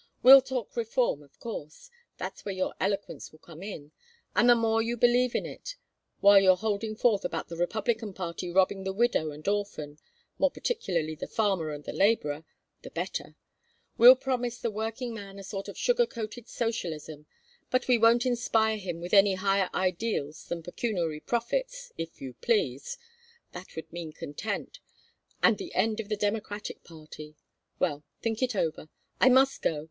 We'll talk reform, of course. That's where your eloquence will come in, and the more you believe in it while you're holding forth about the Republican party robbing the widow and orphan more particularly the farmer and the laborer the better. We'll promise the working man a sort of sugar coated socialism, but we won't inspire him with any higher ideals than pecuniary profits, if you please. That would mean content, and the end of the Democratic party. Well, think it over. I must go.